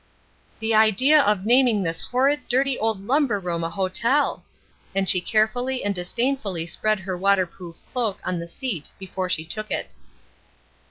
"The idea of naming this horrid, dirty old lumber room a hotel!" and she carefully and disdainfully spread her waterproof cloak on the seat before she took it.